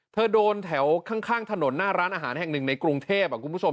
โดนแถวข้างถนนหน้าร้านอาหารแห่งหนึ่งในกรุงเทพคุณผู้ชม